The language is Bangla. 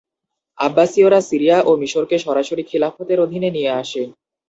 আব্বাসীয়রা সিরিয়া ও মিশরকে সরাসরি খিলাফতের অধীনে নিয়ে আসে।